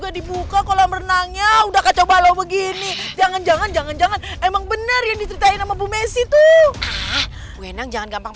awas kalian semua